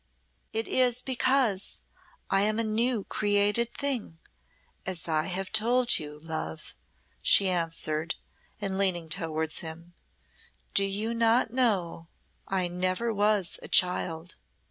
"It is because I am a new created thing, as I have told you, love," she answered, and leaned towards him. "Do you not know I never was a child.